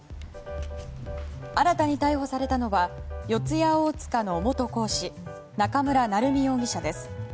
新たに逮捕されたのは四谷大塚の元講師中村成美容疑者です。